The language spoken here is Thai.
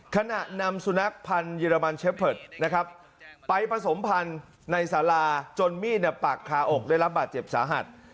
ขณะนำสุนัขพันธ์เรมันเชฟเพิร์ตนะครับไปผสมพันธุ์ในสาราจนมีดปักคาอกได้รับบาดเจ็บสาหัส